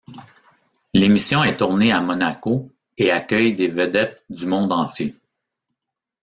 L'émission est tournée à Monaco et accueille des vedettes du monde entier.